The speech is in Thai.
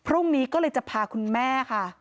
พรุ่งนี้ก็เลยจะพาคุณแม่ค่ะ